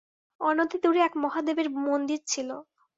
অনতিদূরে এক মহাদেবের মন্দির ছিল।